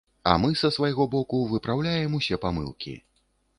А мы са свайго боку выпраўляем усе памылкі.